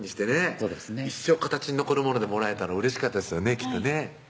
そうですね一生形に残るものでもらえたら嬉しかったですよねきっとね